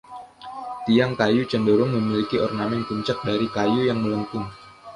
Tiang kayu cenderung memiliki ornamen puncak dari kayu yang melengkung.